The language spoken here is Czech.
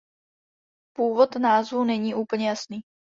Původ názvu není úplně jasný.